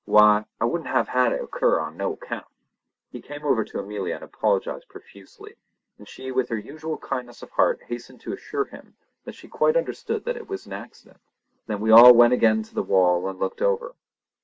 Why, I wouldn't have had it occur on no account." He came over to Amelia and apologised profusely, and she with her usual kindness of heart hastened to assure him that she quite understood that it was an accident. Then we all went again to the wall and looked over.